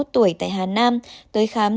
ba mươi một tuổi tại hà nam tới khám